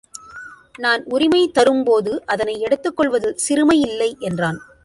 நான் உரிமை தரும்போது அதனை எடுத்துக்கொள்வதில் சிறுமை இல்லை என்றான்.